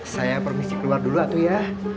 saya permisi keluar dulu atau ya